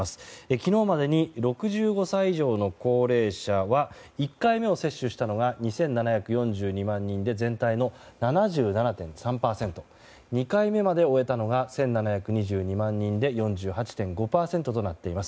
昨日までに６５歳以上の高齢者は１回目を接種したのが２７４２万人で全体の７７．３％２回目まで終えたのが１７２２万人で４８．５％となっています。